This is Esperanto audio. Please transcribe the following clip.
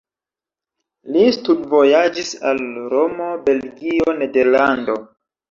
Li studvojaĝis al Romo, Belgio, Nederlando.